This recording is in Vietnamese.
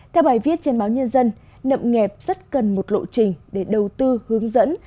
theo bài viết trên báo nhân dân nậm nghẹp rất cần một lộ trình để đầu tư hướng dẫn